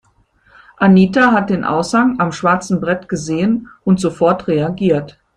Anita hat den Aushang am schwarzen Brett gesehen und sofort reagiert.